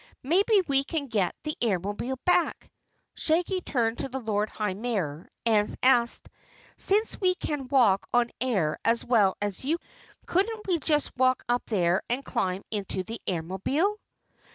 "Maybe we can get the Airmobile back." Shaggy turned to the Lord High Mayor and asked: "Since we can walk on air as well as you, couldn't we just walk up there and climb into the Airmobile?"